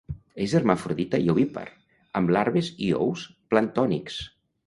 És hermafrodita i ovípar amb larves i ous planctònics.